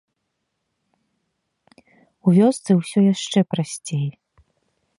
У вёсцы ўсё яшчэ прасцей.